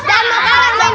berang berang berang